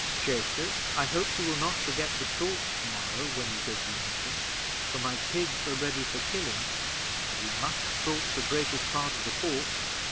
Jacob, I hope you will not forget the salt to morrow when you go to Lymington, for my pigs are ready for killing, and we must salt the greatest part of the pork.